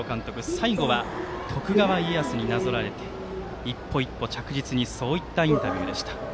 最後は、徳川家康になぞらえて一歩一歩着実にそういったインタビューでした。